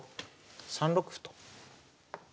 ３六歩と。